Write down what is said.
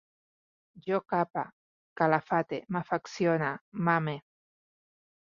Jo cape, calafate, m'afeccione, m'ame